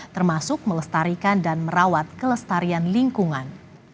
termasuk melestarikan dan merawat kelestarian lingkungan